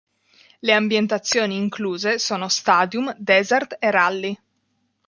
Le ambientazioni incluse sono Stadium, Desert e Rally.